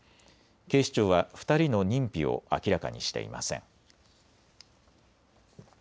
警視庁は２人の認否を明らかにしていません。